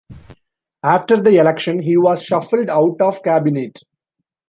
After the election he was shuffled out of cabinet.